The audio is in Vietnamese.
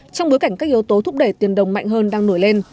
trong bối cảnh các yếu tố thúc đẩy tiền đồng mạnh hơn đang nổi lên